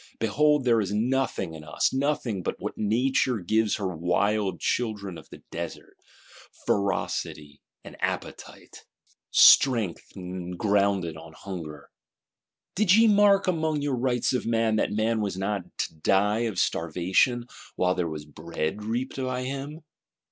Behold there is nothing in us; nothing but what Nature gives her wild children of the desert: Ferocity and Appetite; Strength grounded on Hunger. Did ye mark among your Rights of Man, that man was not to die of starvation, while there was bread reaped by him?